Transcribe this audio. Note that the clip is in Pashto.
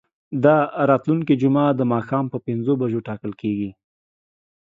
دا راتلونکې جمعه د ماښام په پنځو بجو ټاکل کیږي.